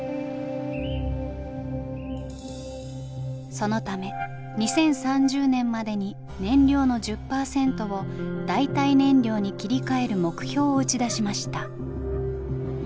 そのため２０３０年までに燃料の１０％を代替燃料に切り替える目標を打ち出しました。